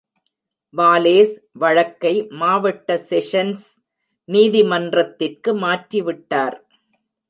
வாலேஸ், வழக்கை மாவட்ட செஷன்ஸ் நீதிமன்றத்திற்கு மாற்றி விட்டார்.